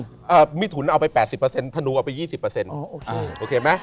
ก็มิถุนเอาไป๘๐ธนูเอาไป๒๐